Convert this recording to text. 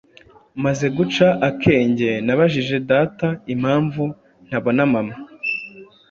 Maze guca akenge, nabajije data impamvu ntabona mama,